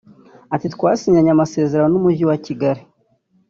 Ati "Twasinyanye amasezerano n’Umujyi wa Kigali